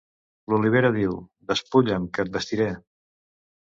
L'olivera diu: Despulla'm, que et vestiré.